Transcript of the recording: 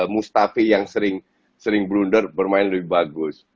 mustafi yang sering blunder bermain lebih bagus